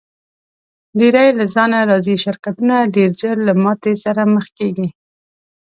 ډېری له ځانه راضي شرکتونه ډېر ژر له ماتې سره مخ کیږي.